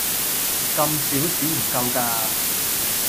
咁少錢唔夠架